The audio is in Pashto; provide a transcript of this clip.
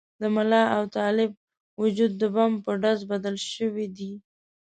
د ملا او طالب وجود د بم په ډز بدل شوي دي.